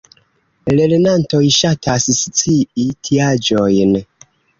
Lernantoj ŝatas scii tiaĵojn!